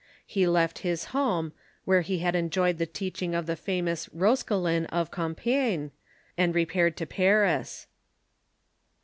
He left his home, wherp be had enjoyed the teaching of the famous Roscelin of Compicgne, and repaired to Paris.